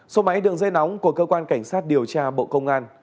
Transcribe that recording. số máy đường dây nóng của cơ quan cảnh sát điều tra bộ công an